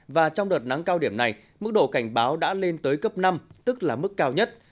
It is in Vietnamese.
và trong đợt nắng cao điểm này mức độ cảnh báo đã lên tới cấp năm tức là mức cao nhất